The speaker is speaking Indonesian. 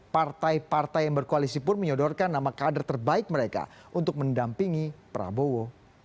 partai partai yang berkoalisi pun menyodorkan nama kader terbaik mereka untuk mendampingi prabowo